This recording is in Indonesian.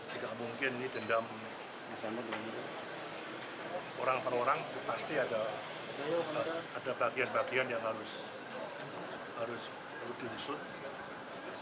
tidak mungkin ini dendam orang per orang pasti ada bagian bagian yang harus perlu diusut